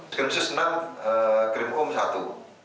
skrim susenang krim umum satu